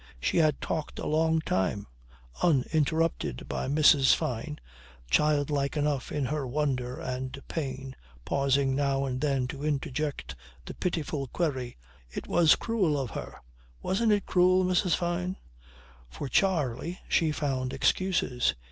She had talked a long time, uninterrupted by Mrs. Fyne, childlike enough in her wonder and pain, pausing now and then to interject the pitiful query: "It was cruel of her. Wasn't it cruel, Mrs. Fyne?" For Charley she found excuses.